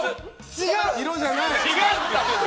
違う！